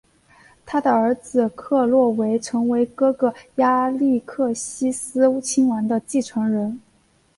他的儿子克洛维成为哥哥亚历克西斯亲王的继承人。